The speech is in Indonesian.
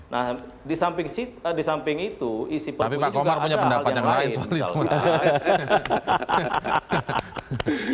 nah di samping itu isi perpu juga ada hal yang lain